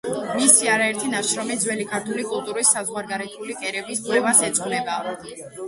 მისი არაერთი ნაშრომი ძველი ქართული კულტურის საზღვარგარეთული კერების კვლევას ეძღვნება.